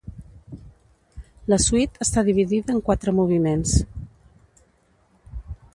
La suite està dividida en quatre moviments.